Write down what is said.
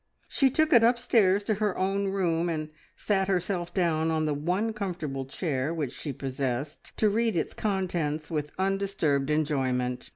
She took it upstairs to her own room, and sat herself down on the one comfortable chair which she possessed, to read its contents with undisturbed enjoyment.